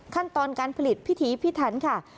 ขั้นตอนการผลิตพิถีพิถันค่ะ